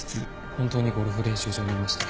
本当にゴルフ練習場にいました。